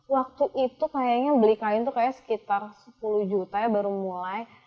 waktu itu beli kain itu sekitar sepuluh juta baru mulai